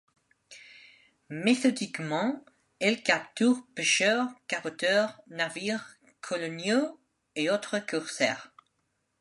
Méthodiquement, elle capture pêcheurs, caboteurs, navires coloniaux et autres corsaires.